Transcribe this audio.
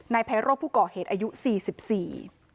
ในภัยโรคผู้เกาะเหตุอายุสี่สิบสี่